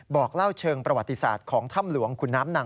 บอกเล่าเชิงประวัติศาสตร์ของถ้ำหลวงขุนน้ำนาง